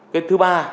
cái thứ ba